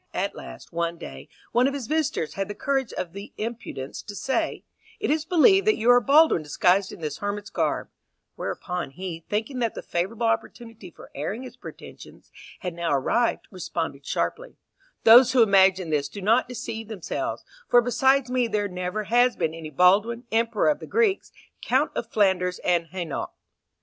At last, one day, one of his visitors had the courage or the impudence to say, "It is believed that you are Baldwin disguised in this hermit's garb;" whereupon he, thinking that the favourable opportunity for airing his pretensions had now arrived, responded sharply, "Those who imagine this do not deceive themselves, for besides me there never has been any Baldwin, Emperor of the Greeks, Count of Flanders and Hainault."